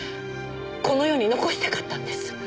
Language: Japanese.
この世に残したかったんです。